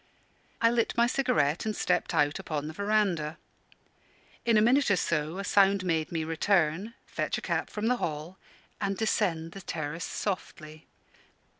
I lit my cigarette and stepped out upon the verandah. In a minute or so a sound made me return, fetch a cap from the hall, and descend the terrace softly.